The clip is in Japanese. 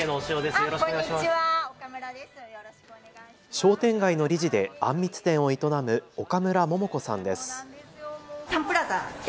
商店街の理事であん蜜店を営む岡村百子さんです。